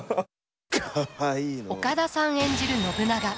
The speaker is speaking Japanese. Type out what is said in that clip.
岡田さん演じる信長。